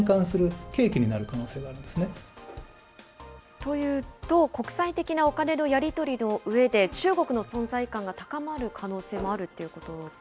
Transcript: というと、国際的なお金のやり取りのうえで、中国の存在感が高まる可能性もあるっていうことですか。